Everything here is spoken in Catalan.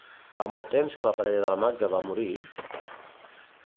Fa molt temps que la parella de la Magda va morir?